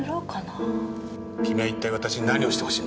君は一体私に何をして欲しいんだ？